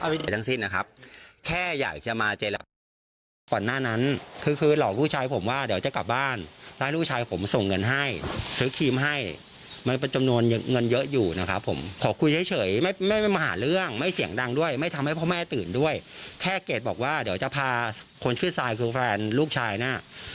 ว่าเดี๋ยวจะพาคนชื่อไซส์คือแฟนลูกชายน่ะ